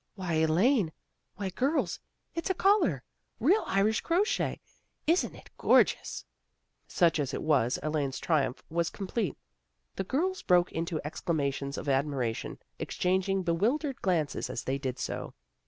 " Why, Elaine! Why, girls! It's a collar. Real Irish crochet! Isn't it gorgeous !" Such as it was, Elaine's triumph was com plete. The girls broke into exclamations of admiration, exchanging bewildered glances as they did so.